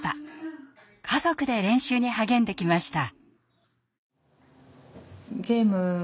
家族で練習に励んできました。